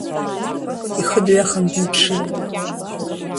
Ихы дҩахан днаԥшит.